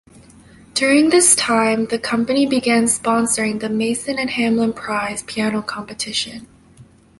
During this time the company began sponsoring the Mason and Hamlin Prize piano competition.